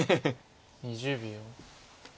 ２０秒。